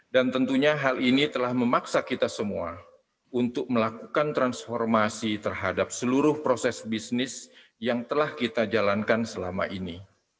dan tentunya hal ini telah memaksa kita semua untuk melakukan transformasi terhadap seluruh proses bisnis yang telah kita jalankan selama ini